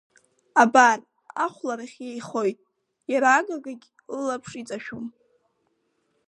Абар, ахәларахь еихоит, иара агагагьы лылаԥш иҵашәом.